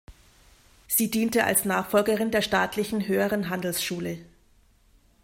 Sie diente als Nachfolgerin der staatlichen Höheren Handelsschule.